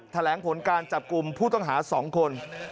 แถลงผลการจับกลุ่มผู้ต้องหา๒คน